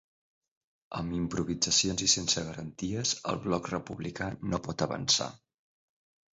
Amb improvisacions i sense garanties, el bloc republicà no pot avançar.